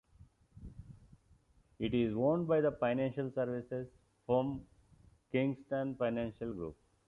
It is owned by the financial services firm Kingston Financial Group.